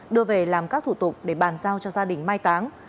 đưa về làm các thủ tục để bàn giao cho gia đình mai táng